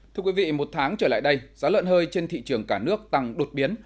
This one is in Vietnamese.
thưa quý vị một tháng trở lại đây giá lợn hơi trên thị trường cả nước tăng đột biến